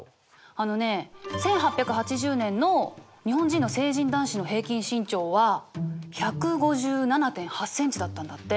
あのね１８８０年の日本人の成人男子の平均身長は１５７．８ｃｍだったんだって。